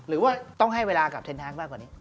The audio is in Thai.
หรือว่าต้องให้เวลากับเทนแฮงมากกว่านี้